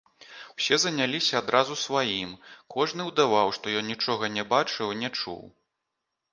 Усе заняліся адразу сваім, кожны ўдаваў, што ён нічога не бачыў і не чуў.